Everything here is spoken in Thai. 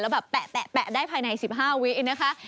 แล้วแบบแปะได้ภายใน๑๕วินิตินะคะ